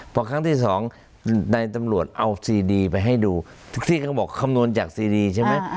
พอครั้งที่สองนายตำรวจเอาซีดีไปให้ดูทุกที่ก็บอกคำนวณจากซีดีใช่ไหม